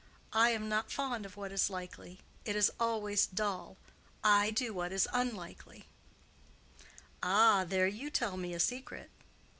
I am not fond of what is likely: it is always dull. I do what is unlikely." "Ah, there you tell me a secret.